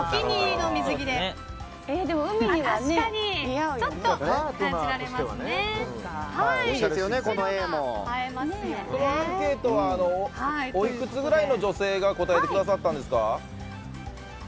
このアンケートはおいくつぐらいの女性が答えてくださったんですか？